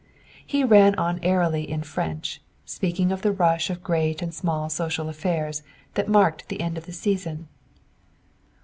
He ran on airily in French, speaking of the rush of great and small social affairs that marked the end of the season.